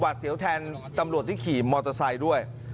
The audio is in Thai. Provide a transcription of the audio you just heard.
เสียวแทนตำรวจที่ขี่มอเตอร์ไซค์ด้วย